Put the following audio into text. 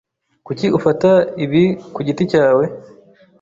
Kuki ufata ibi kugiti cyawe?